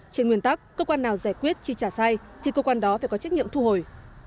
trên nguyên tắc cơ quan nào giải quyết chi trả sai thì cơ quan đó phải có trách nhiệm thu hồi